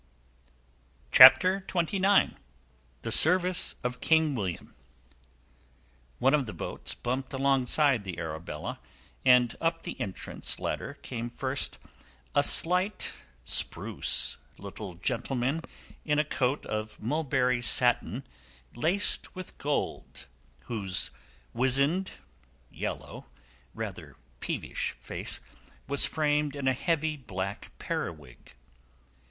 CHAPTER XXIX. THE SERVICE OF KING WILLIAM One of the boats bumped alongside the Arabella, and up the entrance ladder came first a slight, spruce little gentleman in a coat of mulberry satin laced with gold, whose wizened, yellow, rather peevish face was framed in a heavy black periwig.